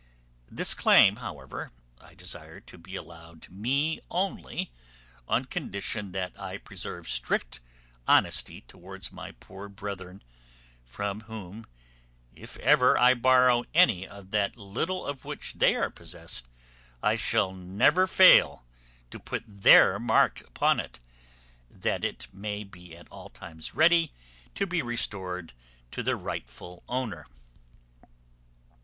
This claim, however, I desire to be allowed me only on condition that I preserve strict honesty towards my poor brethren, from whom, if ever I borrow any of that little of which they are possessed, I shall never fail to put their mark upon it, that it may be at all times ready to be restored to the right owner.